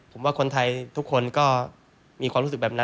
ผมว่าคนไทยทุกคนก็มีความรู้สึกแบบนั้น